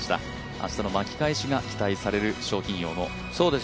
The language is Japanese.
明日の巻き返しが期待される賞金王の比嘉です。